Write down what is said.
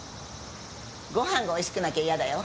ご飯が美味しくなきゃ嫌だよ。